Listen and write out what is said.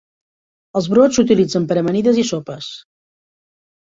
Els brots s'utilitzen per a amanides i sopes.